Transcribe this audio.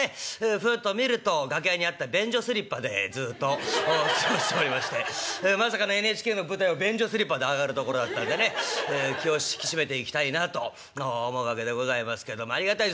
ふと見ると楽屋にあった便所スリッパでずっと過ごしておりましてまさかのＮＨＫの舞台を便所スリッパで上がるとこだったんでね気を引き締めていきたいなと思うわけでございますけどありがたいです。